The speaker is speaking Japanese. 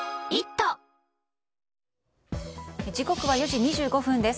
時刻は４時２５分です。